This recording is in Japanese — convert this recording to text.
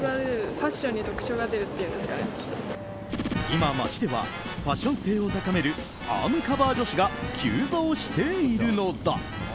今、街ではファッション性を高めるアームカバー女子が急増しているのだ。